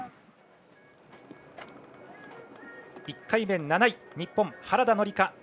１回目、７位日本の原田紀香